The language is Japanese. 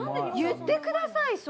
言ってください